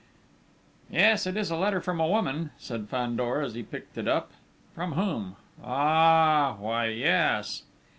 "Yes, it is a letter from a woman," said Fandor, as he picked it up: "from whom?... Ah,... why yes!..."